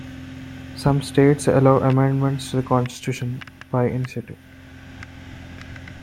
Some states allow amendments to the Constitution by initiative.